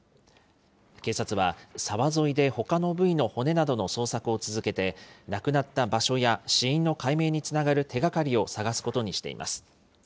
警察は、沢沿いで、ほかの部位の骨などの捜索を続けていて、亡くなった場所や死因の解明につながる手がかりを探すことにしています。